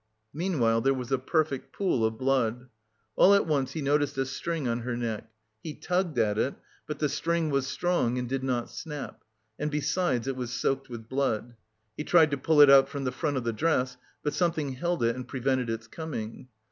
Meanwhile there was a perfect pool of blood. All at once he noticed a string on her neck; he tugged at it, but the string was strong and did not snap and besides, it was soaked with blood. He tried to pull it out from the front of the dress, but something held it and prevented its coming.